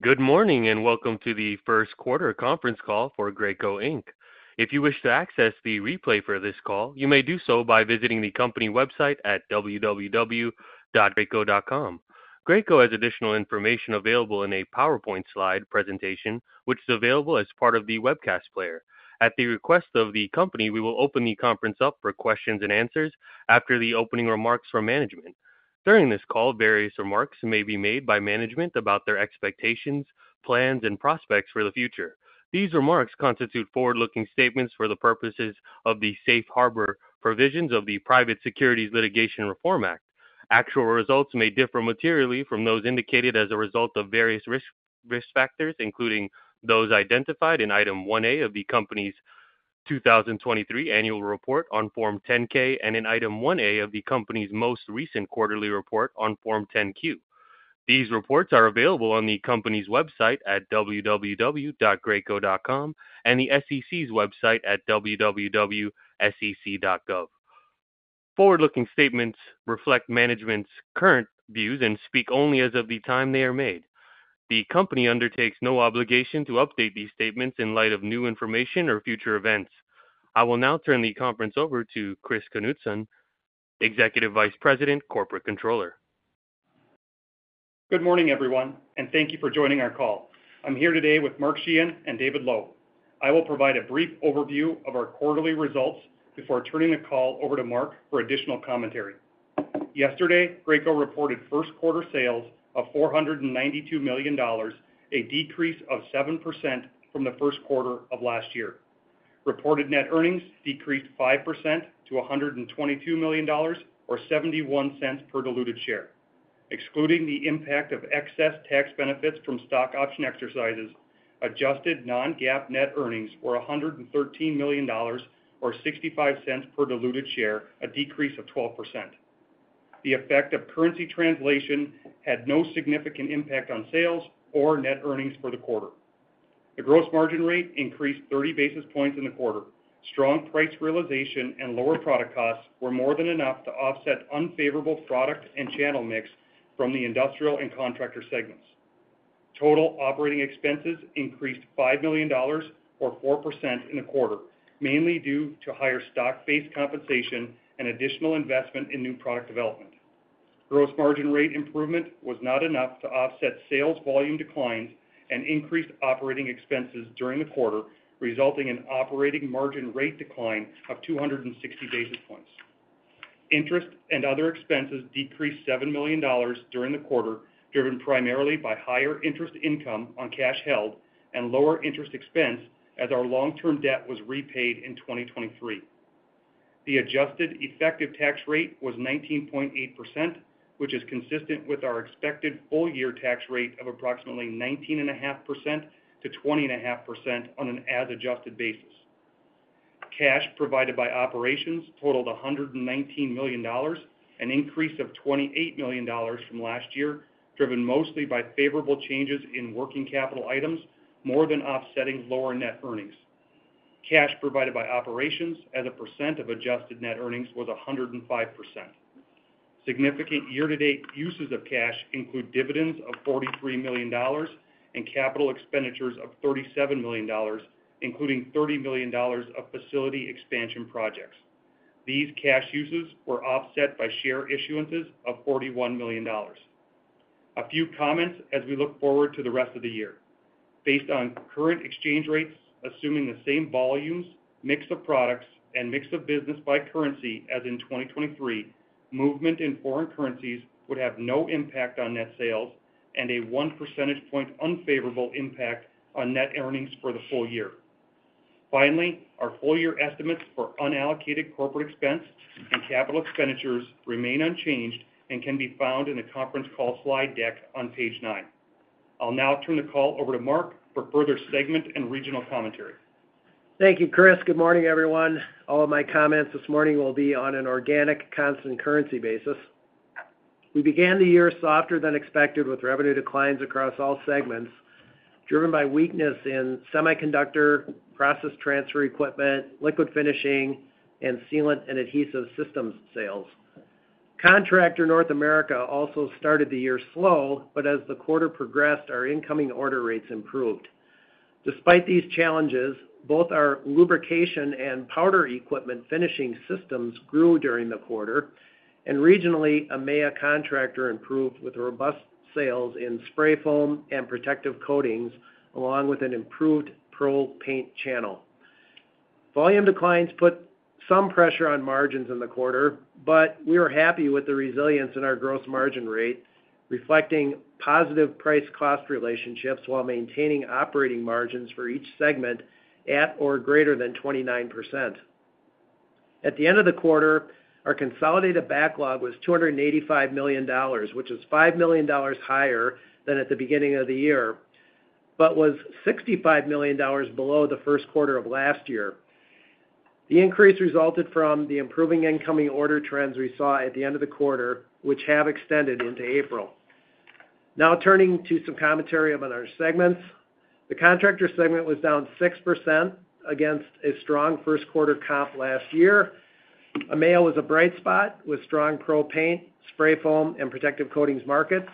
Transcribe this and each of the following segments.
Good morning, and welcome to the first quarter conference call for Graco Inc. If you wish to access the replay for this call, you may do so by visiting the company website at www.graco.com. Graco has additional information available in a PowerPoint slide presentation, which is available as part of the webcast player. At the request of the company, we will open the conference up for questions and answers after the opening remarks from management. During this call, various remarks may be made by management about their expectations, plans and prospects for the future. These remarks constitute forward-looking statements for the purposes of the Safe Harbor provisions of the Private Securities Litigation Reform Act. Actual results may differ materially from those indicated as a result of various risks, risk factors, including those identified in Item 1A of the company's 2023 Annual Report on Form 10-K, and in Item 1A of the company's most recent quarterly report on Form 10-Q. These reports are available on the company's website at www.graco.com and the SEC's website at www.sec.gov. Forward-looking statements reflect management's current views and speak only as of the time they are made. The company undertakes no obligation to update these statements in light of new information or future events. I will now turn the conference over to Chris Knutson, Executive Vice President and Corporate Controller. Good morning, everyone, and thank you for joining our call. I'm here today with Mark Sheahan and David Lowe. I will provide a brief overview of our quarterly results before turning the call over to Mark for additional commentary. Yesterday, Graco reported first quarter sales of $492 million, a decrease of 7% from the first quarter of last year. Reported net earnings decreased 5% to $122 million, or $0.71 per diluted share. Excluding the impact of excess tax benefits from stock option exercises, adjusted non-GAAP net earnings were $113 million, or $0.65 per diluted share, a decrease of 12%. The effect of currency translation had no significant impact on sales or net earnings for the quarter. The gross margin rate increased 30 basis points in the quarter. Strong price realization and lower product costs were more than enough to offset unfavorable product and channel mix from the industrial and contractor segments. Total operating expenses increased $5 million or 4% in the quarter, mainly due to higher stock-based compensation and additional investment in new product development. Gross margin rate improvement was not enough to offset sales volume declines and increased operating expenses during the quarter, resulting in operating margin rate decline of 260 basis points. Interest and other expenses decreased $7 million during the quarter, driven primarily by higher interest income on cash held and lower interest expense as our long-term debt was repaid in 2023. The adjusted effective tax rate was 19.8%, which is consistent with our expected full-year tax rate of approximately 19.5%-20.5% on an as-adjusted basis. Cash provided by operations totaled $119 million, an increase of $28 million from last year, driven mostly by favorable changes in working capital items, more than offsetting lower net earnings. Cash provided by operations as a percent of adjusted net earnings was 105%. Significant year-to-date uses of cash include dividends of $43 million and capital expenditures of $37 million, including $30 million of facility expansion projects. These cash uses were offset by share issuances of $41 million. A few comments as we look forward to the rest of the year. Based on current exchange rates, assuming the same volumes, mix of products, and mix of business by currency as in 2023, movement in foreign currencies would have no impact on net sales and a 1 percentage point unfavorable impact on net earnings for the full year. Finally, our full-year estimates for unallocated corporate expense and capital expenditures remain unchanged and can be found in the conference call slide deck on page nine. I'll now turn the call over to Mark for further segment and regional commentary. Thank you, Chris. Good morning, everyone. All of my comments this morning will be on an organic, constant currency basis. We began the year softer than expected, with revenue declines across all segments, driven by weakness in semiconductor, process transfer equipment, liquid finishing, and sealant and adhesive systems sales. Contractor North America also started the year slow, but as the quarter progressed, our incoming order rates improved. Despite these challenges, both our lubrication and powder equipment finishing systems grew during the quarter, and regionally, EMEA contractor improved with robust sales in spray foam and protective coatings, along with an improved pro paint channel. Volume declines put some pressure on margins in the quarter, but we are happy with the resilience in our gross margin rate, reflecting positive price cost relationships while maintaining operating margins for each segment at or greater than 29%. At the end of the quarter, our consolidated backlog was $285 million, which is $5 million higher than at the beginning of the year, but was $65 million below the first quarter of last year. The increase resulted from the improving incoming order trends we saw at the end of the quarter, which have extended into April. Now, turning to some commentary about our segments. The contractor segment was down 6% against a strong first quarter comp last year. EMEA was a bright spot, with strong pro paint, spray foam, and protective coatings markets.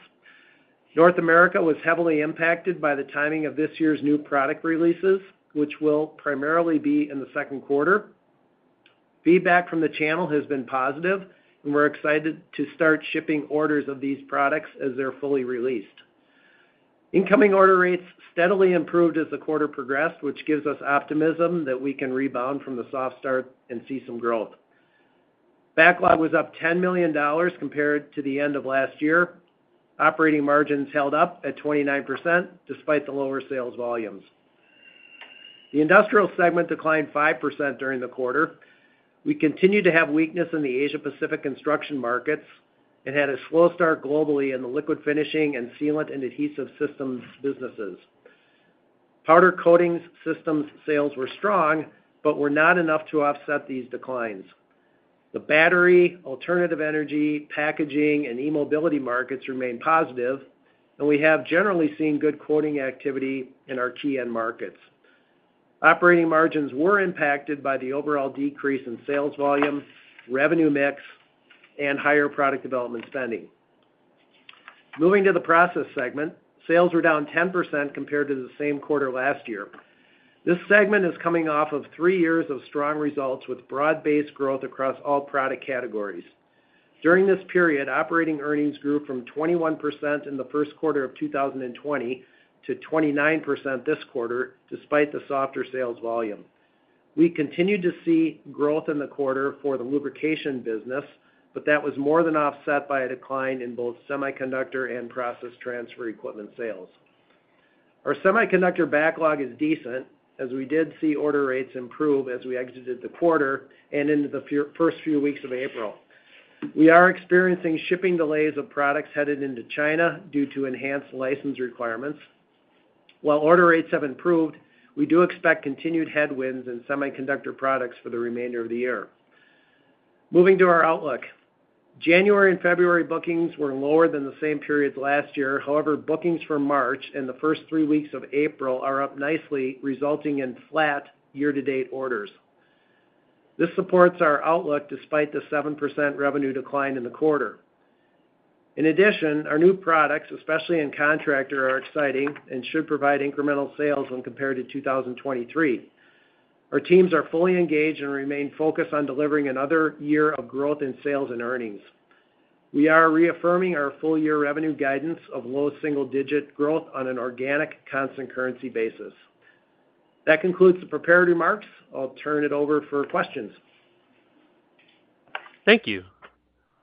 North America was heavily impacted by the timing of this year's new product releases, which will primarily be in the second quarter. Feedback from the channel has been positive, and we're excited to start shipping orders of these products as they're fully released. Incoming order rates steadily improved as the quarter progressed, which gives us optimism that we can rebound from the soft start and see some growth. Backlog was up $10 million compared to the end of last year. Operating margins held up at 29%, despite the lower sales volumes. The industrial segment declined 5% during the quarter. We continued to have weakness in the Asia Pacific construction markets and had a slow start globally in the liquid finishing and sealant and adhesive systems businesses. Powder coating systems sales were strong but were not enough to offset these declines. The battery, alternative energy, packaging, and e-mobility markets remain positive, and we have generally seen good quoting activity in our key end markets. Operating margins were impacted by the overall decrease in sales volume, revenue mix, and higher product development spending. Moving to the process segment. Sales were down 10% compared to the same quarter last year. This segment is coming off of three years of strong results, with broad-based growth across all product categories. During this period, operating earnings grew from 21% in the first quarter of 2020 to 29% this quarter, despite the softer sales volume. We continued to see growth in the quarter for the lubrication business, but that was more than offset by a decline in both semiconductor and process transfer equipment sales. Our semiconductor backlog is decent, as we did see order rates improve as we exited the quarter and into the first few weeks of April. We are experiencing shipping delays of products headed into China due to enhanced license requirements. While order rates have improved, we do expect continued headwinds in semiconductor products for the remainder of the year. Moving to our outlook. January and February bookings were lower than the same period last year. However, bookings for March and the first three weeks of April are up nicely, resulting in flat year-to-date orders. This supports our outlook despite the 7% revenue decline in the quarter. In addition, our new products, especially in contractor, are exciting and should provide incremental sales when compared to 2023. Our teams are fully engaged and remain focused on delivering another year of growth in sales and earnings. We are reaffirming our full-year revenue guidance of low single-digit growth on an organic, constant currency basis. That concludes the prepared remarks. I'll turn it over for questions. Thank you.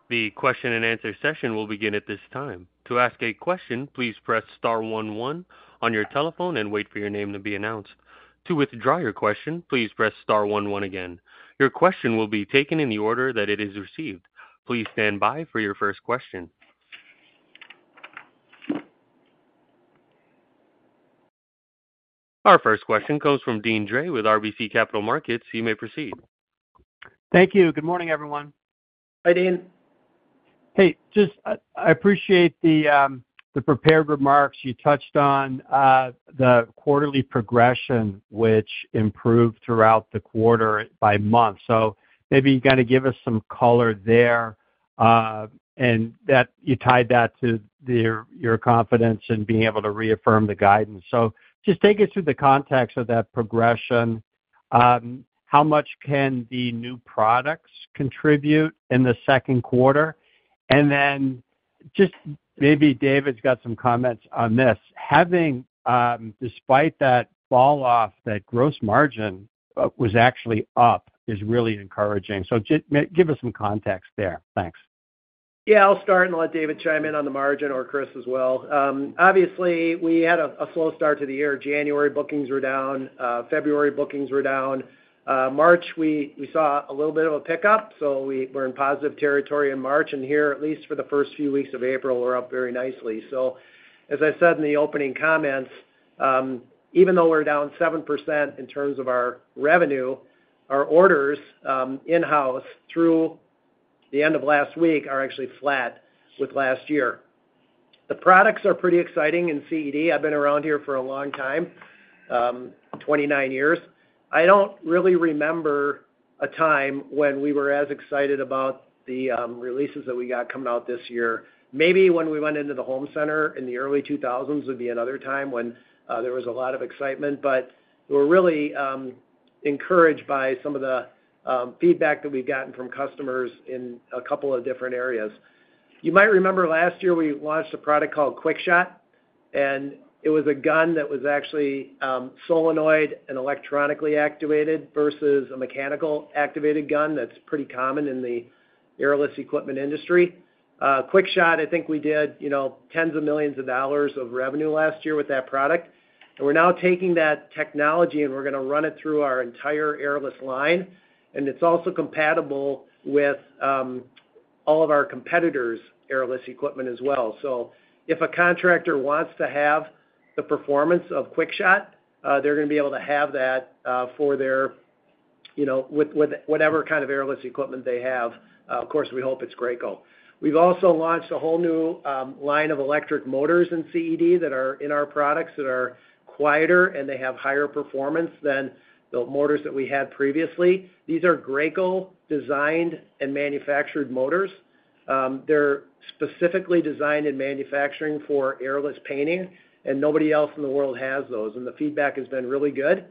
The question-and-answer session will begin at this time. To ask a question, please press star one one on your telephone and wait for your name to be announced. To withdraw your question, please press star one one again. Your question will be taken in the order that it is received. Please stand by for your first question. Our first question comes from Deane Dray with RBC Capital Markets. You may proceed. Thank you. Good morning, everyone. Hi, Dean. Hey, just, I appreciate the prepared remarks. You touched on the quarterly progression, which improved throughout the quarter by month. So maybe you gotta give us some color there, and that you tied that to your confidence in being able to reaffirm the guidance. So just take us through the context of that progression. How much can the new products contribute in the second quarter? And then just maybe David's got some comments on this. Having, despite that falloff, that gross margin was actually up is really encouraging. So just maybe give us some context there. Thanks. Yeah, I'll start and let David chime in on the margin, or Chris as well. Obviously, we had a slow start to the year. January bookings were down. February bookings were down. March, we saw a little bit of a pickup, so we're in positive territory in March, and here, at least for the first few weeks of April, we're up very nicely. So as I said in the opening comments, even though we're down 7% in terms of our revenue, our orders in-house through the end of last week are actually flat with last year. The products are pretty exciting in CED. I've been around here for a long time, 29 years. I don't really remember a time when we were as excited about the releases that we got coming out this year. Maybe when we went into the home center in the early 2000s would be another time when there was a lot of excitement, but we're really encouraged by some of the feedback that we've gotten from customers in a couple of different areas. You might remember last year, we launched a product called QuickShot, and it was a gun that was actually solenoid and electronically activated versus a mechanical activated gun that's pretty common in the airless equipment industry. QuickShot, I think we did, you know, tens of millions of dollars of revenue last year with that product. And we're now taking that technology, and we're gonna run it through our entire airless line, and it's also compatible with all of our competitors' airless equipment as well. So if a contractor wants to have the performance of QuickShot, they're gonna be able to have that, you know, with whatever kind of airless equipment they have. Of course, we hope it's Graco. We've also launched a whole new line of electric motors in CED that are in our products, that are quieter, and they have higher performance than the motors that we had previously. These are Graco-designed and manufactured motors. They're specifically designed and manufactured for airless painting, and nobody else in the world has those, and the feedback has been really good.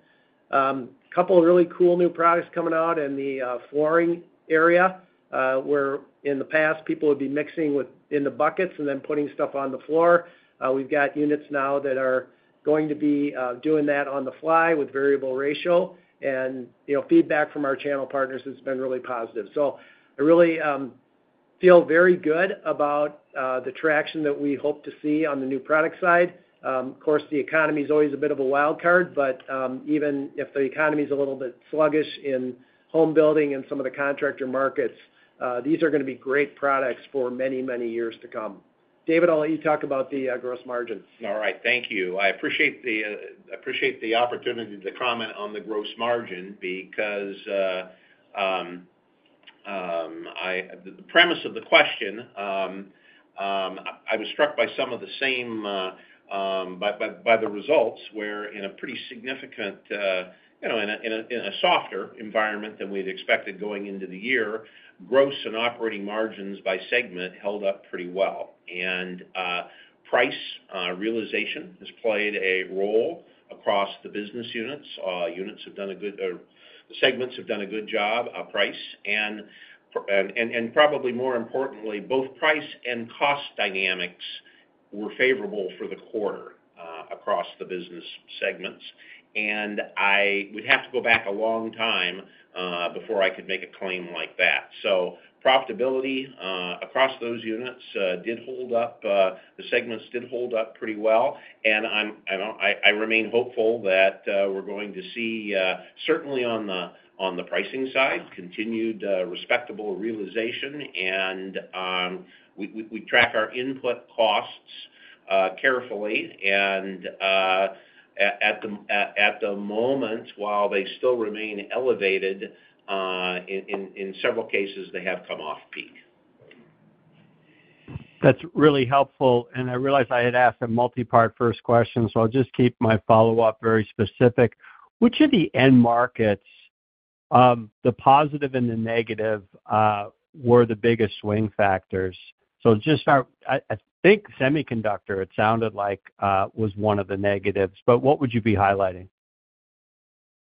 A couple of really cool new products coming out in the flooring area, where in the past, people would be mixing in the buckets and then putting stuff on the floor. We've got units now that are going to be doing that on the fly with variable ratio. And, you know, feedback from our channel partners has been really positive. So I really feel very good about the traction that we hope to see on the new product side. Of course, the economy is always a bit of a wild card, but even if the economy is a little bit sluggish in home building and some of the contractor markets, these are gonna be great products for many, many years to come. David, I'll let you talk about the gross margins. All right. Thank you. I appreciate the opportunity to comment on the gross margin because the premise of the question, I was struck by some of the same, by the results, where, in a pretty significant, you know, in a softer environment than we'd expected going into the year, gross and operating margins by segment held up pretty well. And price realization has played a role across the business units. Units have done a good, segments have done a good job on price, and, probably more importantly, both price and cost dynamics were favorable for the quarter, across the business segments. And we'd have to go back a long time before I could make a claim like that. Profitability across those units did hold up. The segments did hold up pretty well, and I remain hopeful that we're going to see certainly on the pricing side continued respectable realization. We track our input costs carefully, and at the moment, while they still remain elevated in several cases, they have come off peak. That's really helpful, and I realized I had asked a multipart first question, so I'll just keep my follow-up very specific. Which of the end markets, the positive and the negative, were the biggest swing factors? So I think Semiconductor, it sounded like, was one of the negatives, but what would you be highlighting?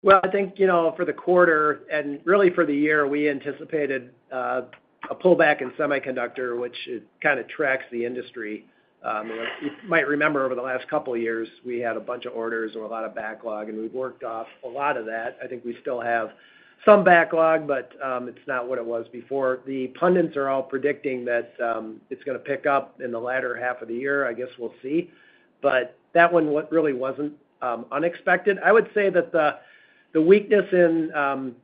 Well, I think, you know, for the quarter, and really for the year, we anticipated a pullback in semiconductor, which it kind of tracks the industry. You might remember over the last couple of years, we had a bunch of orders or a lot of backlog, and we've worked off a lot of that. I think we still have some backlog, but it's not what it was before. The pundits are all predicting that it's gonna pick up in the latter half of the year. I guess we'll see. But that one really wasn't unexpected. I would say that the weakness in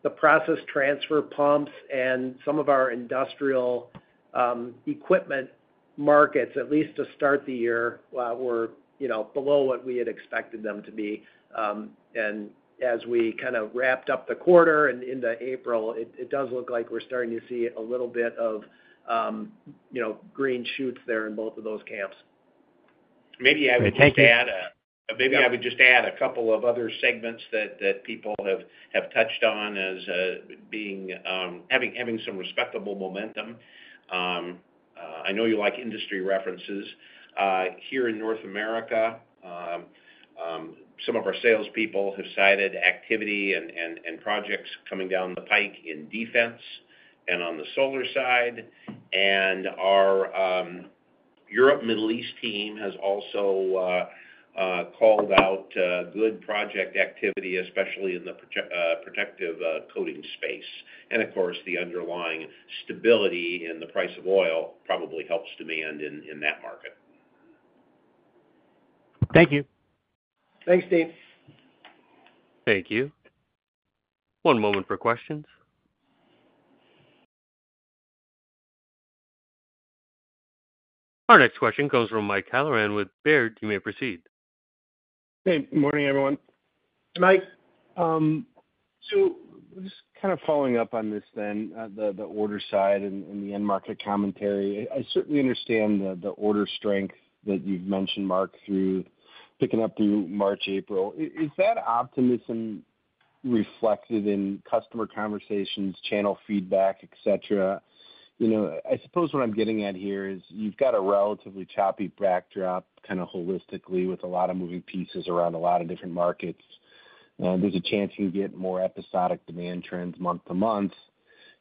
the process transfer pumps and some of our industrial equipment markets, at least to start the year, were, you know, below what we had expected them to be. As we kind of wrapped up the quarter and into April, it does look like we're starting to see a little bit of, you know, green shoots there in both of those camps. Thank you. Maybe I would just add, maybe I would just add a couple of other segments that people have touched on as being having some respectable momentum. I know you like industry references. Here in North America, some of our salespeople have cited activity and projects coming down the pike in defense and on the solar side. And our Europe, Middle East team has also called out good project activity, especially in the protective coating space. And of course, the underlying stability in the price of oil probably helps demand in that market. Thank you. Thanks, Deane. Thank you. One moment for questions. Our next question comes from Mike Halloran with Baird. You may proceed. Hey, good morning, everyone. Hi, Mike. So just kind of following up on this then, the order side and the end market commentary. I certainly understand the order strength that you've mentioned, Mark, through picking up through March, April. Is that optimism reflected in customer conversations, channel feedback, et cetera? You know, I suppose what I'm getting at here is you've got a relatively choppy backdrop, kind of holistically, with a lot of moving pieces around a lot of different markets. There's a chance you can get more episodic demand trends month to month.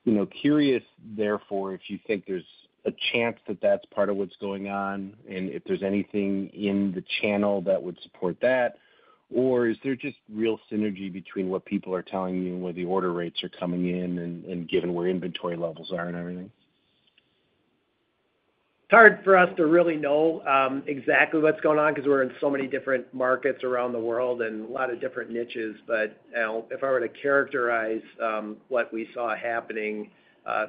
You know, curious, therefore, if you think there's a chance that that's part of what's going on, and if there's anything in the channel that would support that, or is there just real synergy between what people are telling you and where the order rates are coming in and, and given where inventory levels are and everything?... It's hard for us to really know exactly what's going on because we're in so many different markets around the world and a lot of different niches. But, you know, if I were to characterize what we saw happening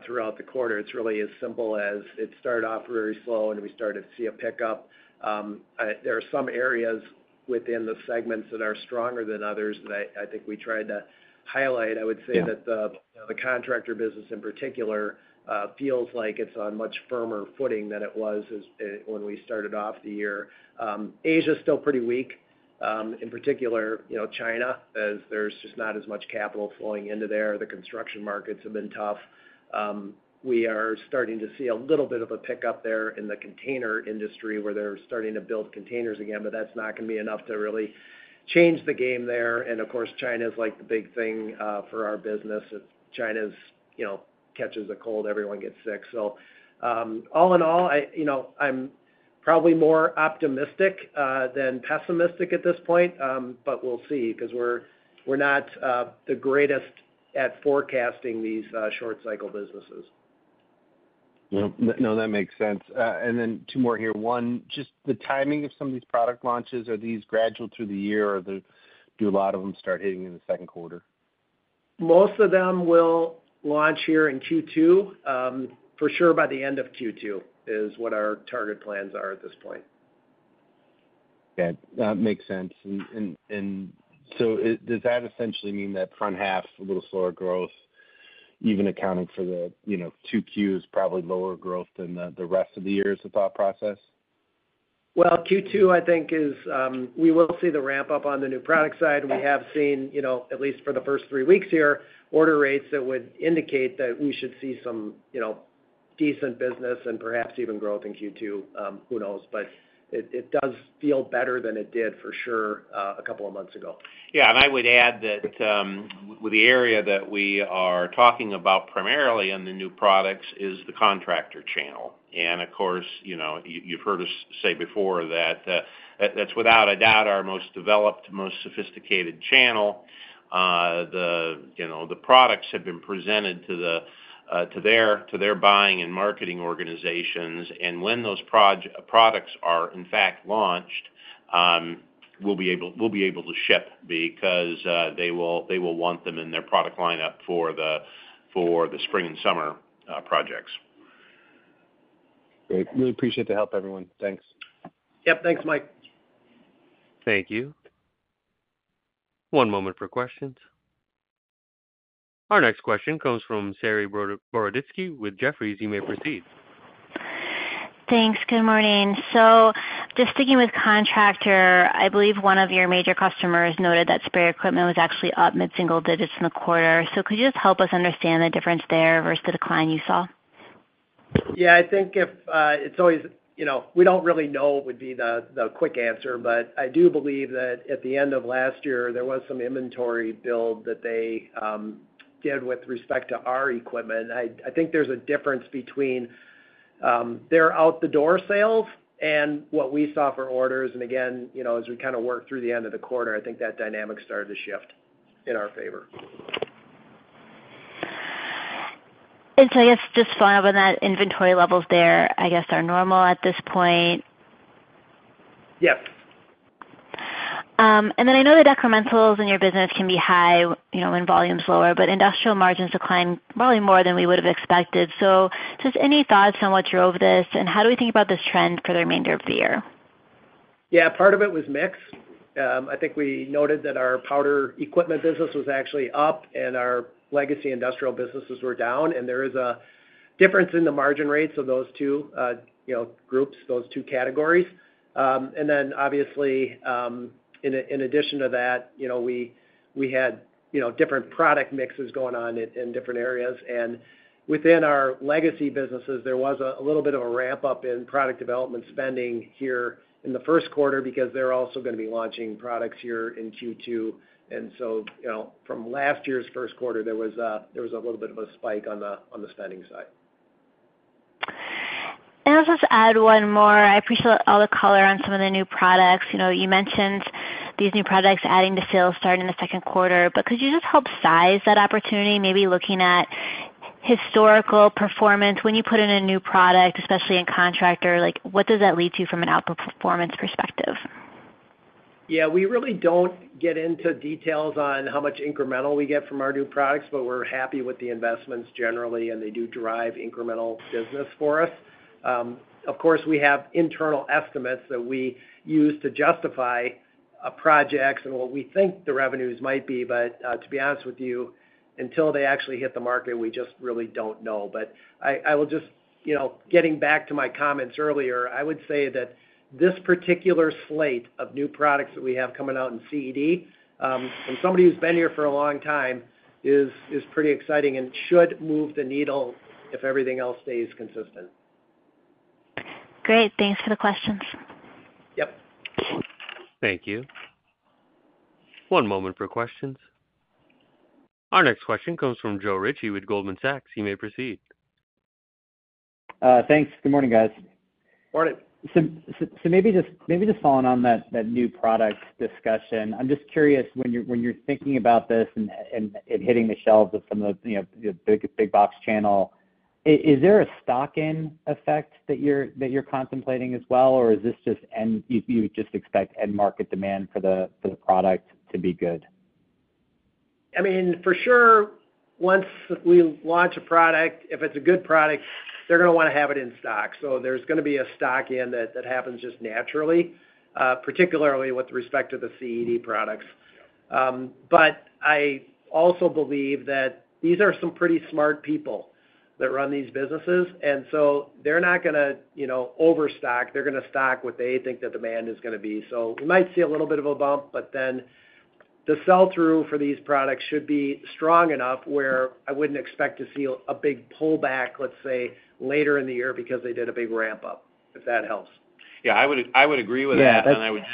throughout the quarter, it's really as simple as it started off very slow, and we started to see a pickup. There are some areas within the segments that are stronger than others that I think we tried to highlight. I would say that the contractor business, in particular, feels like it's on much firmer footing than it was when we started off the year. Asia is still pretty weak, in particular, you know, China, as there's just not as much capital flowing into there. The construction markets have been tough. We are starting to see a little bit of a pickup there in the container industry, where they're starting to build containers again, but that's not gonna be enough to really change the game there. And of course, China is like the big thing for our business. If China's, you know, catches a cold, everyone gets sick. So, all in all, I, you know, I'm probably more optimistic than pessimistic at this point. But we'll see, because we're, we're not the greatest at forecasting these short cycle businesses. Yep. No, that makes sense. And then two more here. One, just the timing of some of these product launches. Are these gradual through the year, or do a lot of them start hitting in the second quarter? Most of them will launch here in Q2. For sure, by the end of Q2, is what our target plans are at this point. Yeah, that makes sense. So does that essentially mean that front half, a little slower growth, even accounting for the, you know, 2Qs, probably lower growth than the rest of the year is the thought process? Well, Q2, I think, is we will see the ramp-up on the new product side. We have seen, you know, at least for the first three weeks here, order rates that would indicate that we should see some, you know, decent business and perhaps even growth in Q2. Who knows? But it, it does feel better than it did for sure, a couple of months ago. Yeah, and I would add that, with the area that we are talking about primarily in the new products is the contractor channel. And of course, you know, you, you've heard us say before that, that's without a doubt, our most developed, most sophisticated channel. You know, the products have been presented to the, to their, to their buying and marketing organizations. And when those products are, in fact, launched, we'll be able, we'll be able to ship because, they will, they will want them in their product lineup for the, for the spring and summer, projects. Great. Really appreciate the help, everyone. Thanks. Yep. Thanks, Mike. Thank you. One moment for questions. Our next question comes from Saree Boroditsky with Jefferies. You may proceed. Thanks. Good morning. So just sticking with contractor, I believe one of your major customers noted that sprayer equipment was actually up mid-single digits in the quarter. So could you just help us understand the difference there versus the decline you saw? Yeah, I think if it's always, you know, we don't really know would be the quick answer, but I do believe that at the end of last year, there was some inventory build that they did with respect to our equipment. I think there's a difference between their out-the-door sales and what we saw for orders. And again, you know, as we kind of worked through the end of the quarter, I think that dynamic started to shift in our favor. I guess, just follow up on that, inventory levels there, I guess, are normal at this point? Yep. And then I know the decrementals in your business can be high, you know, when volume's lower, but industrial margins declined probably more than we would have expected. So just any thoughts on what drove this, and how do we think about this trend for the remainder of the year? Yeah, part of it was mix. I think we noted that our powder equipment business was actually up and our legacy industrial businesses were down, and there is a difference in the margin rates of those two, you know, groups, those two categories. And then obviously, in addition to that, you know, we had different product mixes going on in different areas. And within our legacy businesses, there was a little bit of a ramp-up in product development spending here in the first quarter because they're also gonna be launching products here in Q2. And so, you know, from last year's first quarter, there was a little bit of a spike on the spending side. I'll just add one more. I appreciate all the color on some of the new products. You know, you mentioned these new products adding to sales starting in the second quarter, but could you just help size that opportunity, maybe looking at historical performance when you put in a new product, especially in contractor? Like, what does that lead to from an outperformance perspective? Yeah, we really don't get into details on how much incremental we get from our new products, but we're happy with the investments generally, and they do drive incremental business for us. Of course, we have internal estimates that we use to justify projects and what we think the revenues might be, but to be honest with you, until they actually hit the market, we just really don't know. But I will just, you know, getting back to my comments earlier, I would say that this particular slate of new products that we have coming out in CED, from somebody who's been here for a long time, is pretty exciting and should move the needle if everything else stays consistent. Great. Thanks for the questions. Yep. Thank you. One moment for questions. Our next question comes from Joe Ritchie with Goldman Sachs. You may proceed. Thanks. Good morning, guys.... So maybe just following on that new product discussion. I'm just curious, when you're thinking about this and hitting the shelves of some of the, you know, the big box channel, is there a stock-in effect that you're contemplating as well? Or is this just end—you just expect end market demand for the product to be good? I mean, for sure, once we launch a product, if it's a good product, they're gonna wanna have it in stock. So there's gonna be a stock-in that happens just naturally, particularly with respect to the CED products. But I also believe that these are some pretty smart people that run these businesses, and so they're not gonna, you know, overstock. They're gonna stock what they think the demand is gonna be. So we might see a little bit of a bump, but then the sell-through for these products should be strong enough where I wouldn't expect to see a big pullback, let's say, later in the year, because they did a big ramp up, if that helps. Yeah, I would, I would agree with that. Yeah, that's-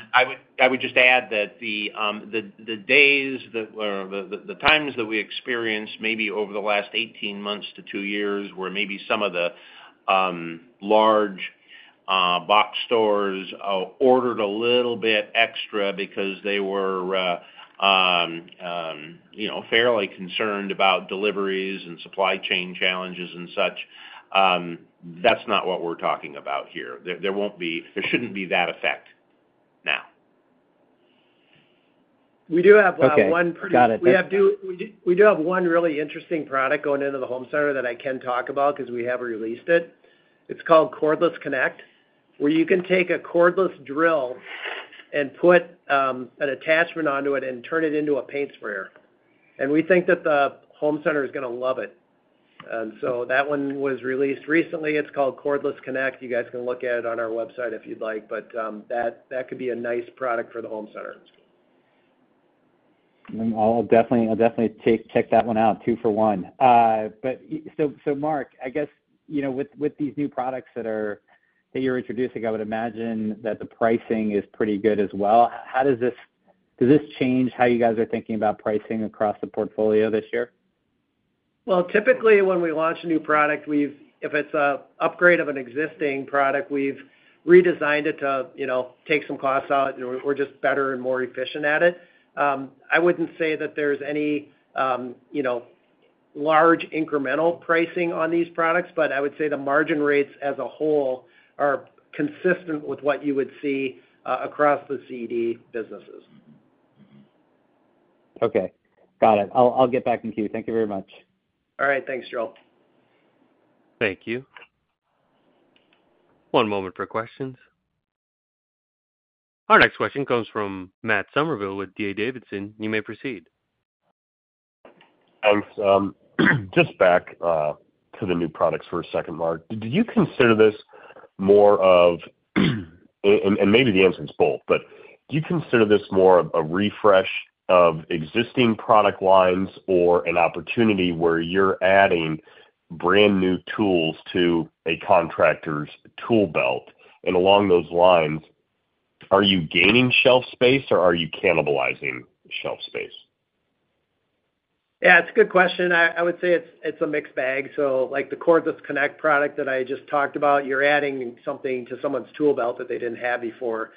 I would just add that the days that, or the times that we experienced, maybe over the last 18 months to two years, where maybe some of the large box stores ordered a little bit extra because they were, you know, fairly concerned about deliveries and supply chain challenges and such, that's not what we're talking about here. There won't be, there shouldn't be that effect now. Okay, got it. We do have one really interesting product going into the home center that I can talk about because we have released it. It's called Cordless Connect, where you can take a cordless drill and put an attachment onto it and turn it into a paint sprayer. We think that the home center is gonna love it. So that one was released recently. It's called Cordless Connect. You guys can look at it on our website if you'd like, but that could be a nice product for the home center. I'll definitely check that one out, two for one. But so, so Mark, I guess, you know, with these new products that you're introducing, I would imagine that the pricing is pretty good as well. How does this change how you guys are thinking about pricing across the portfolio this year? Well, typically, when we launch a new product, we've if it's an upgrade of an existing product, we've redesigned it to, you know, take some costs out, and we're just better and more efficient at it. I wouldn't say that there's any, you know, large incremental pricing on these products, but I would say the margin rates as a whole are consistent with what you would see across the CED businesses. Okay. Got it. I'll get back in queue. Thank you very much. All right. Thanks, Joe. Thank you. One moment for questions. Our next question comes from Matt Summerville with D.A. Davidson. You may proceed. Thanks. Just back to the new products for a second, Mark. Do you consider this more of, and, and maybe the answer is both, but do you consider this more of a refresh of existing product lines or an opportunity where you're adding brand-new tools to a contractor's tool belt? And along those lines, are you gaining shelf space, or are you cannibalizing shelf space? Yeah, it's a good question. I would say it's a mixed bag. So like the Cordless Connect product that I just talked about, you're adding something to someone's tool belt that they didn't have before.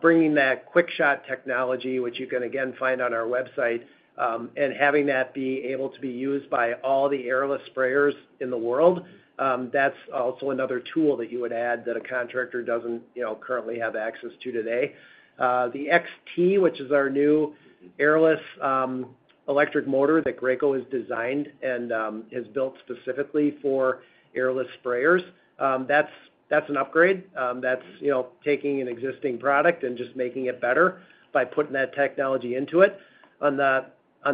Bringing that QuickShot technology, which you can again find on our website, and having that be able to be used by all the airless sprayers in the world, that's also another tool that you would add that a contractor doesn't, you know, currently have access to today. The XT, which is our new airless electric motor that Graco has designed and is built specifically for airless sprayers, that's an upgrade. That's, you know, taking an existing product and just making it better by putting that technology into it. On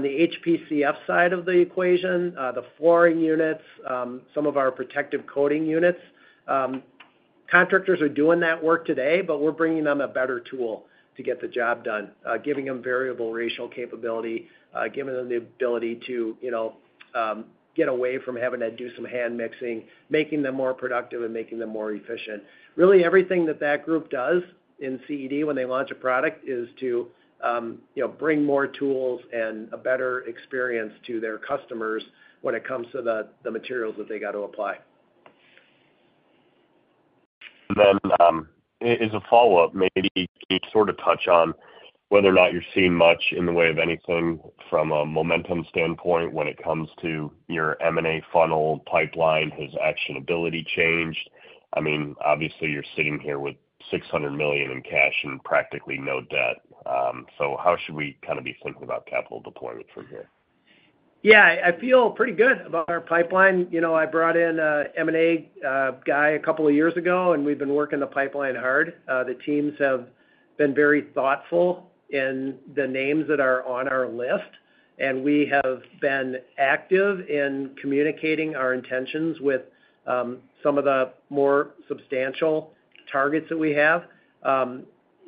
the HPCF side of the equation, the flooring units, some of our protective coating units, contractors are doing that work today, but we're bringing them a better tool to get the job done, giving them variable ratio capability, giving them the ability to, you know, get away from having to do some hand mixing, making them more productive and making them more efficient. Really, everything that that group does in CED when they launch a product is to, you know, bring more tools and a better experience to their customers when it comes to the, the materials that they got to apply. Then, as a follow-up, maybe can you sort of touch on whether or not you're seeing much in the way of anything from a momentum standpoint when it comes to your M&A funnel pipeline? Has actionability changed? I mean, obviously, you're sitting here with $600 million in cash and practically no debt. So how should we kind of be thinking about capital deployment from here? Yeah, I feel pretty good about our pipeline. You know, I brought in a M&A guy a couple of years ago, and we've been working the pipeline hard. The teams have been very thoughtful in the names that are on our list, and we have been active in communicating our intentions with some of the more substantial targets that we have.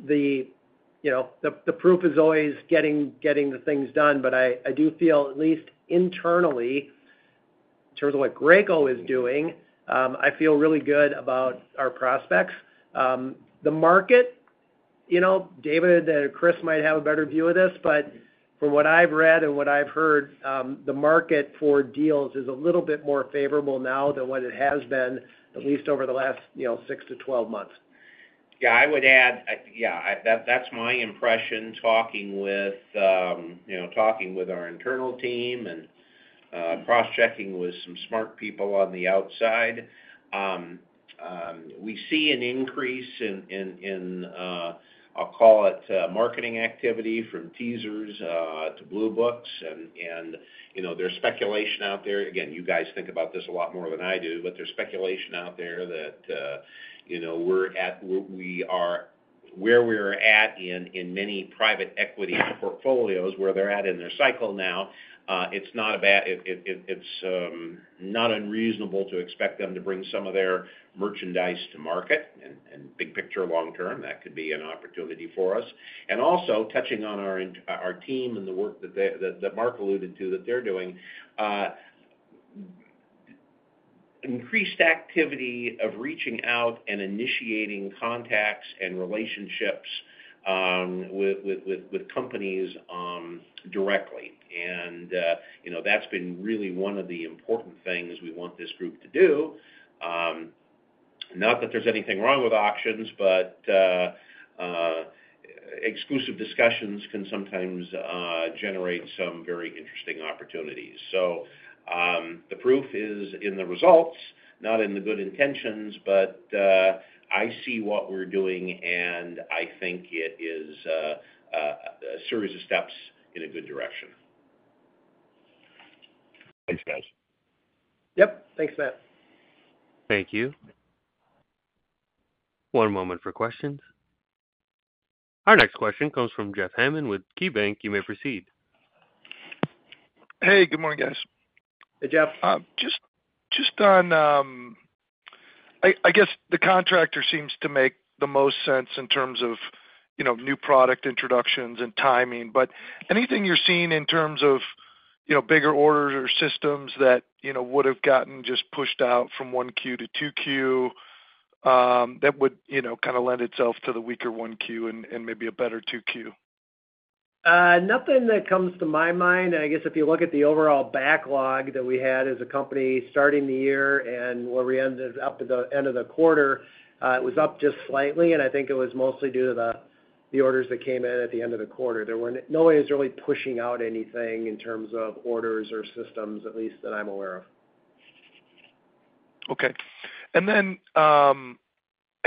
You know, the proof is always in getting the things done, but I do feel, at least internally, in terms of what Graco is doing, I feel really good about our prospects. The market-... You know, David and Chris might have a better view of this, but from what I've read and what I've heard, the market for deals is a little bit more favorable now than what it has been, at least over the last, you know, 6-12 months. Yeah, I would add, that's my impression talking with, you know, talking with our internal team and, cross-checking with some smart people on the outside. We see an increase in, I'll call it, marketing activity from teasers to blue books, and, you know, there's speculation out there. Again, you guys think about this a lot more than I do, but there's speculation out there that, you know, we're at, we are, where we're at in many private equity portfolios, where they're at in their cycle now, it's not a bad. It's not unreasonable to expect them to bring some of their merchandise to market, and, big picture, long term, that could be an opportunity for us. And also, touching on our team and the work that Mark alluded to that they're doing, increased activity of reaching out and initiating contacts and relationships with companies directly. You know, that's been really one of the important things we want this group to do. Not that there's anything wrong with auctions, but exclusive discussions can sometimes generate some very interesting opportunities. The proof is in the results, not in the good intentions, but I see what we're doing, and I think it is a series of steps in a good direction. Thanks, guys. Yep. Thanks, Matt. Thank you. One moment for questions. Our next question comes from Jeff Hammond with KeyBanc. You may proceed. Hey, good morning, guys. Hey, Jeff. Just on, I guess, the contractor seems to make the most sense in terms of, you know, new product introductions and timing. But anything you're seeing in terms of, you know, bigger orders or systems that, you know, would've gotten just pushed out from 1Q to 2Q, that would, you know, kind of lend itself to the weaker 1Q and maybe a better 2Q? Nothing that comes to my mind. I guess, if you look at the overall backlog that we had as a company starting the year and where we ended up at the end of the quarter, it was up just slightly, and I think it was mostly due to the, the orders that came in at the end of the quarter. No one was really pushing out anything in terms of orders or systems, at least that I'm aware of. Okay. And then, I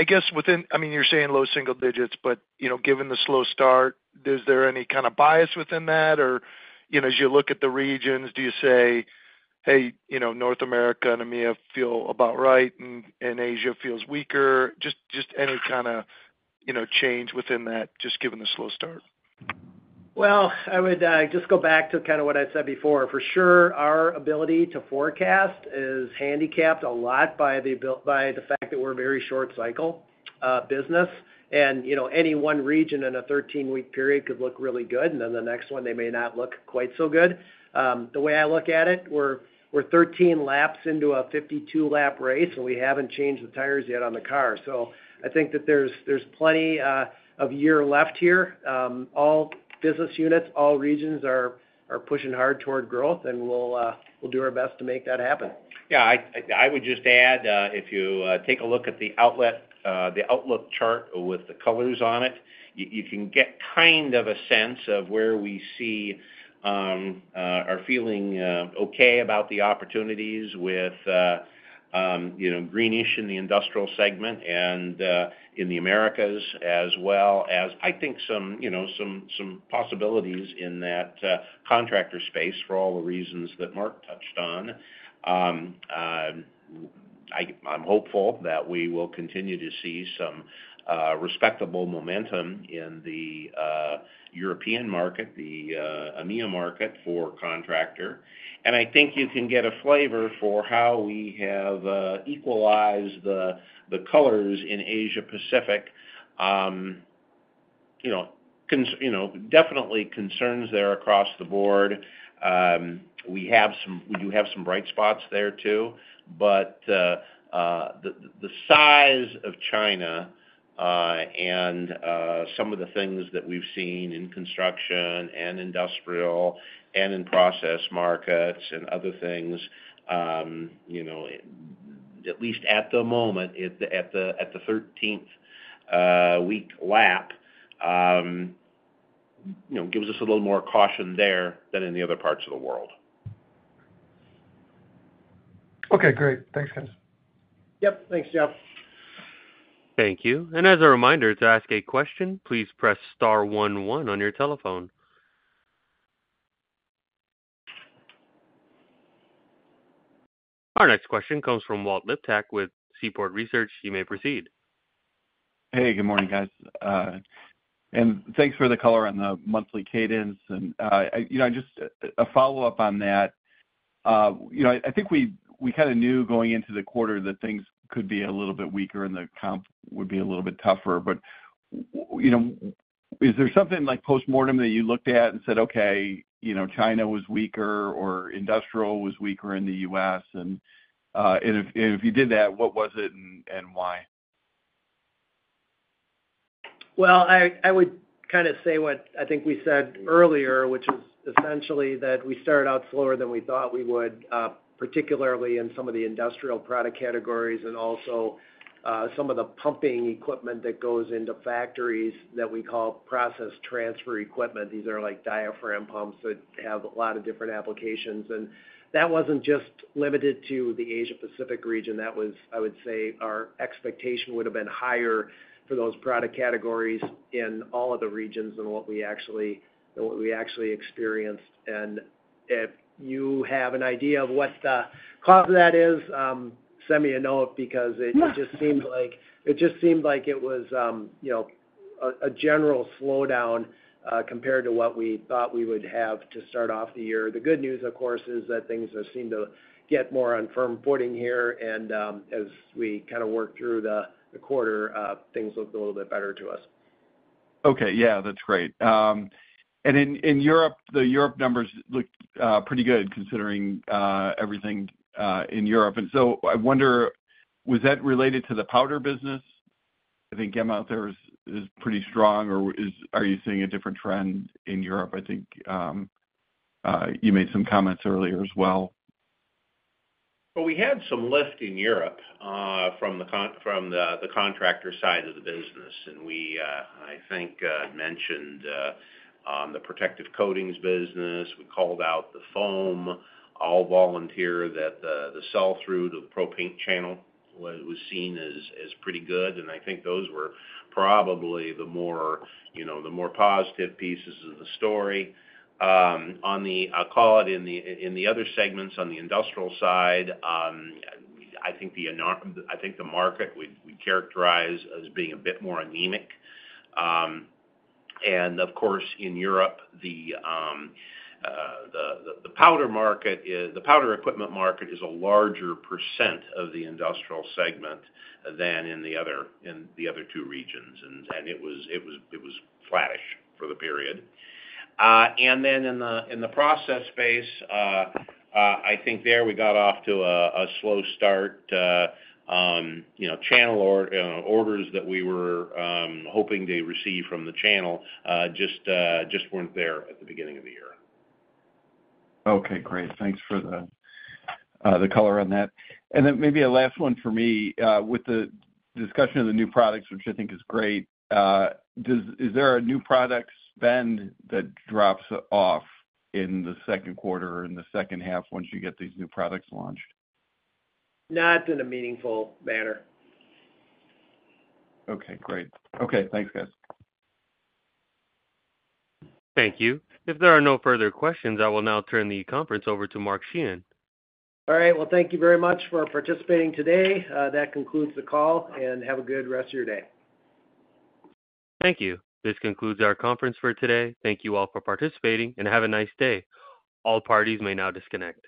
guess, within... I mean, you're saying low single digits, but, you know, given the slow start, is there any kind of bias within that? Or, you know, as you look at the regions, do you say, "Hey, you know, North America and EMEA feel about right, and Asia feels weaker." Just any kind of, you know, change within that, just given the slow start? Well, I would just go back to kind of what I said before. For sure, our ability to forecast is handicapped a lot by the fact that we're a very short cycle business. And, you know, any one region in a 13-week period could look really good, and then the next one, they may not look quite so good. The way I look at it, we're 13 laps into a 52-lap race, and we haven't changed the tires yet on the car. So I think that there's plenty of year left here. All business units, all regions are pushing hard toward growth, and we'll do our best to make that happen. Yeah, I would just add, if you take a look at the outlook chart with the colors on it, you can get kind of a sense of where we see are feeling okay about the opportunities with, you know, greenish in the industrial segment and in the Americas, as well as, I think, some, you know, some possibilities in that contractor space for all the reasons that Mark touched on. I'm hopeful that we will continue to see some respectable momentum in the European market, the EMEA market for contractor. And I think you can get a flavor for how we have equalized the colors in Asia Pacific. You know, definitely concerns there across the board. We do have some bright spots there, too. But the size of China and some of the things that we've seen in construction and industrial and in process markets and other things, you know, at least at the moment, at the 13th week lap, you know, gives us a little more caution there than in the other parts of the world. Okay, great. Thanks, guys. Yep. Thanks, Jeff. Thank you. As a reminder, to ask a question, please press star one one on your telephone. Our next question comes from Walt Liptak with Seaport Research. You may proceed. Hey, good morning, guys. And thanks for the color on the monthly cadence. And, you know, just a follow-up on that. You know, I think we kind of knew going into the quarter that things could be a little bit weaker and the comp would be a little bit tougher. But, you know... Is there something like postmortem that you looked at and said, "Okay, you know, China was weaker or industrial was weaker in the U.S.?" And, and if you did that, what was it and why? Well, I would kind of say what I think we said earlier, which is essentially that we started out slower than we thought we would, particularly in some of the industrial product categories and also some of the pumping equipment that goes into factories that we call process transfer equipment. These are like diaphragm pumps that have a lot of different applications, and that wasn't just limited to the Asia Pacific region. That was, I would say, our expectation would have been higher for those product categories in all of the regions than what we actually experienced. If you have an idea of what the cause of that is, send me a note because it just seemed like it was, you know, a general slowdown compared to what we thought we would have to start off the year. The good news, of course, is that things have seemed to get more on firm footing here, and as we kind of work through the quarter, things look a little bit better to us. Okay. Yeah, that's great. And in Europe, the Europe numbers look pretty good considering everything in Europe. And so I wonder, was that related to the powder business? I think Gema out there is pretty strong or is... Are you seeing a different trend in Europe? I think you made some comments earlier as well. Well, we had some lift in Europe from the contractor side of the business. And we, I think, mentioned on the protective coatings business, we called out the foam, all-volunteer, that the sell-through to the pro paint channel was seen as pretty good. And I think those were probably the more, you know, the more positive pieces of the story. On the other segments, I'll call it, on the industrial side, I think the market we characterize as being a bit more anemic. And of course, in Europe, the powder market is, the powder equipment market is a larger percent of the industrial segment than in the other two regions. It was flattish for the period. And then in the process space, I think there we got off to a slow start. You know, channel orders that we were hoping to receive from the channel just weren't there at the beginning of the year. Okay, great. Thanks for the color on that. And then maybe a last one for me. With the discussion of the new products, which I think is great, is there a new product spend that drops off in the second quarter or in the second half once you get these new products launched? Not in a meaningful manner. Okay, great. Okay, thanks, guys. Thank you. If there are no further questions, I will now turn the conference over to Mark Sheahan. All right. Well, thank you very much for participating today. That concludes the call, and have a good rest of your day. Thank you. This concludes our conference for today. Thank you all for participating, and have a nice day. All parties may now disconnect.